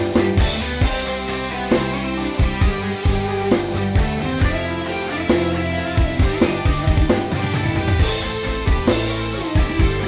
เพราะใจ